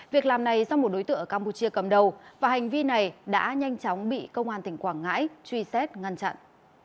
việc làm này do một đối tượng ở campuchia cầm đầu và hành vi này đã nhanh chóng bị công an tỉnh quảng ngãi truy xét ngăn chặn